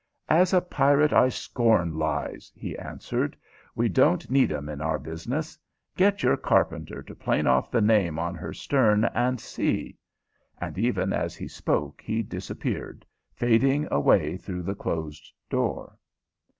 "As a pirate, I scorn lies," he answered. "We don't need 'em in our business. Get your carpenter to plane off the name on her stern and see!" and even as he spoke he disappeared, fading away through the closed door.